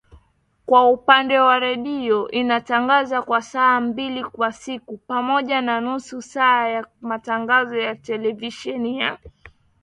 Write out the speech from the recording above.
Kwa upande wa redio inatangaza kwa saa mbili kwa siku, pamoja na nusu saa ya matangazo ya televisheni ya Duniani Leo